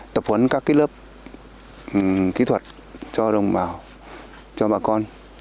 tập huấn các lớp kỹ thuật cho đồng bào cho bà con